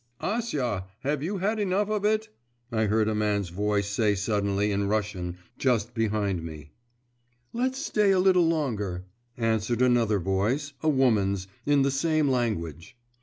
… 'Acia, have you had enough of it?' I heard a man's voice say suddenly, in Russian, just behind me. 'Let's stay a little longer,' answered another voice, a woman's, in the same language.